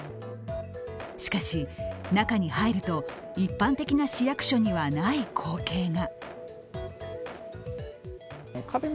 しかし、中に入ると一般的な市役所にはない光景が。